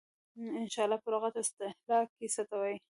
انشأ په لغت او اصطلاح کې څه ته وايي؟